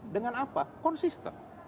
dengan apa konsisten